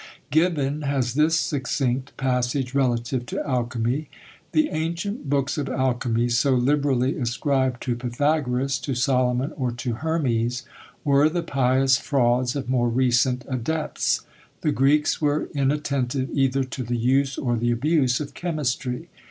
Gibbon has this succinct passage relative to alchymy: "The ancient books of alchymy, so liberally ascribed to Pythagoras, to Solomon, or to Hermes, were the pious frauds of more recent adepts. The Greeks were inattentive either to the use or the abuse of chemistry.